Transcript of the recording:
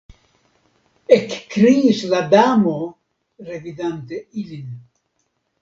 Ekkriis la Damo, revidante ilin.